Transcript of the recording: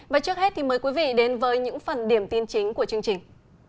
và trước hết thì mời quý vị đến với những phần điểm tin chính của chương trình